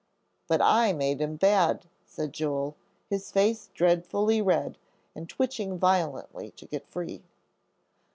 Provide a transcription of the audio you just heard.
"But I made him bad," said Joel, his face dreadfully red and twitching violently to get free.